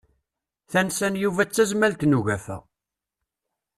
Tansa n Yuba d Tazmalt n ugafa.